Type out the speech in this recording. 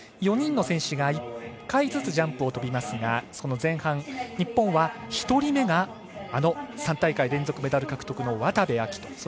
４人の選手が１回ずつジャンプを飛びますが前半、日本が１人目が３大会連続メダル獲得の渡部暁斗。